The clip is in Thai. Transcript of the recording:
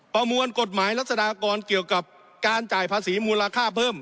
ประมวลกฎหมายรัศดากรเกี่ยวกับการจ่ายภาษีมูลค่าเพิ่ม